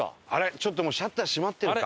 ちょっともうシャッター閉まってるか。